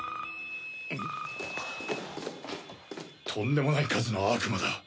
とんでもない数の悪魔だ！